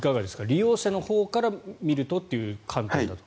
利用者のほうから見るとという観点だと。